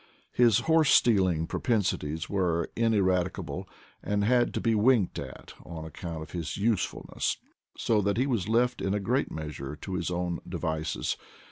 His horse stealing propensi ties were ineradicable, and had to be winked at on account of his usefulness ; so that he was left in /a great measure to his own devices.